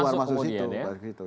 bisa keluar masuk kemudian ya